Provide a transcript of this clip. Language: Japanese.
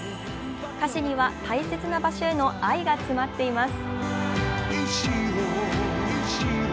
歌詞には大切な場所への愛が詰まっています。